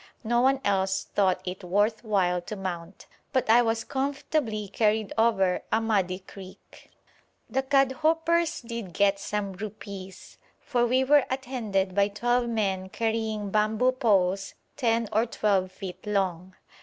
No one else thought it worth while to mount, but I was comfortably carried over a muddy creek. The Kadhoupers did get some rupees, for we were attended by twelve men carrying bamboo poles 10 or 12 feet long.